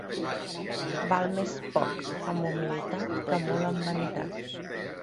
Val més poc amb humilitat que molt amb vanitat.